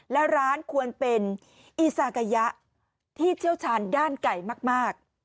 และร้านควรเป็นอีซากายะที่เชี่ยวชาญด้านไก่มาก